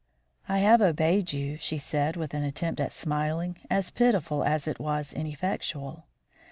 "I have obeyed you," she said, with an attempt at smiling as pitiful as it was ineffectual.